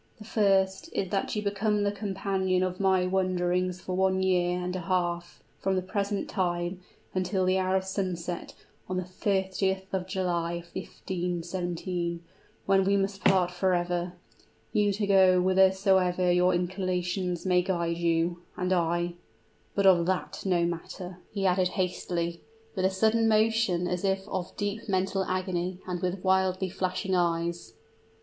"The first is, that you become the companion of my wanderings for one year and a half from the present time, until the hour of sunset, on the 30th of July, 1517, when we must part forever, you to go whithersoever your inclinations may guide you, and I But of that, no matter!" he added, hastily, with a sudden motion as if of deep mental agony, and with wildly flashing eyes.